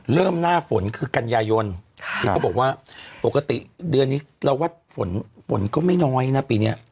เริ่มหน้าฝนคือกัญญายนค่ะที่เขาบอกว่าปกติเดือนนี้เราวัดฝนก็ไม่น้อยนะปีนี้